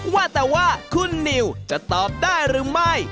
ว่าแต่ว่าคุณนิวจะตอบได้หรือไม่